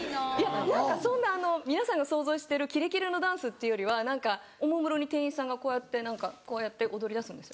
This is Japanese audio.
何かそんな皆さんが想像してるキレキレのダンスっていうよりは何かおもむろに店員さんがこうやって何かこうやって踊り出すんです